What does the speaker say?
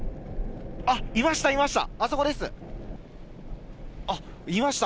あっ、いました、いました。